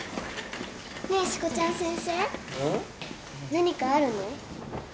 何かあるの？